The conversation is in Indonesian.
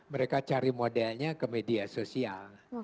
mereka cari modelnya ke media sosial